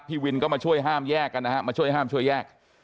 พี่วินก็มาช่วยห้ามแยกกันนะฮะมาช่วยห้ามช่วยแยก